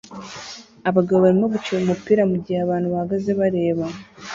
Abagabo barimo gukina umupira mugihe abantu bahagaze bareba